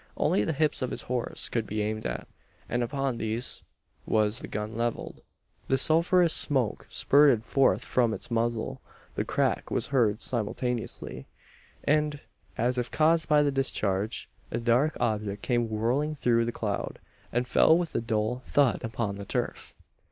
Only the hips of his horse could be aimed at; and upon these was the gun levelled. The sulphureous smoke spurted forth from its muzzle; the crack was heard simultaneously; and, as if caused by the discharge, a dark object came whirling through the cloud, and fell with a dull "thud" upon the turf.